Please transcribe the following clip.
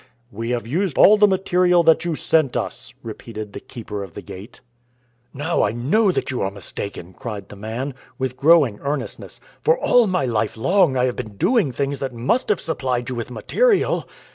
"We have used all the material that you sent us," repeated the Keeper of the Gate. "Now I know that you are mistaken," cried the man, with growing earnestness, "for all my life long I have been doing things that must have supplied you with material.